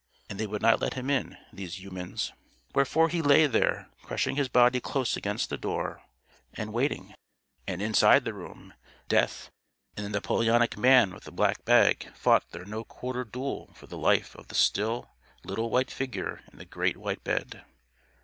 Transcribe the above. And they would not let him in these humans. Wherefore he lay there, crushing his body close against the door and waiting. And, inside the room, Death and the Napoleonic man with the black bag fought their "no quarter" duel for the life of the still, little white figure in the great white bed.